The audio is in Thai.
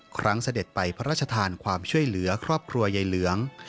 เสด็จไปพระราชทานความช่วยเหลือครอบครัวยายเหลือง